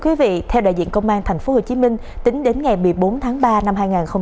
quý vị theo đại diện công an tp hcm tính đến ngày một mươi bốn tháng ba năm hai nghìn hai mươi ba